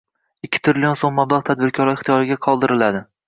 ikki trillion so‘m mablag‘ tadbirkorlar ixtiyorida qoldiriladi.